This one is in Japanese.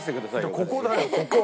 ここだよ。